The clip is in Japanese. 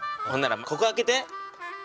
ほんならここ開けて。